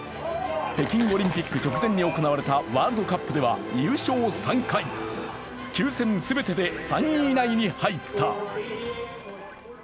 北京オリンピック直前に行われたワールドカップでは優勝３回、９戦全てで３位以内に入った。